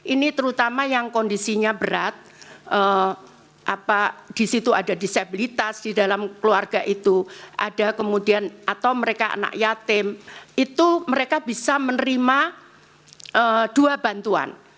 ini terutama yang kondisinya berat di situ ada disabilitas di dalam keluarga itu ada kemudian atau mereka anak yatim itu mereka bisa menerima dua bantuan